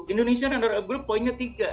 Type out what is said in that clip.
indonesia runner up group poinnya tiga